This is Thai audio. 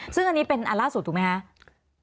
ซึ่งอันนี้เป็นอันล่าสุดถูกไหมคะ